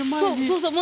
そうそう。